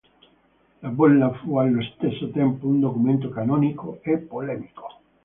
La bolla fu allo stesso tempo un documento canonico e polemico.